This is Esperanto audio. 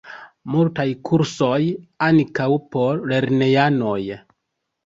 Multaj kursoj, ankaŭ por lernejanoj.